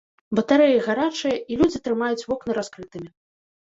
Батарэі гарачыя і людзі трымаюць вокны раскрытымі.